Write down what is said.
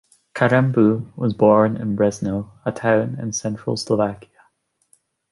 Karembeu was born in Brezno, a town in central Slovakia.